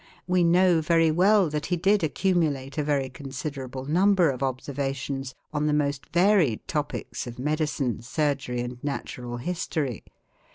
We know very well that he did accumulate a very considerable number of observations on the most varied topics of medicine, surgery, and natural history.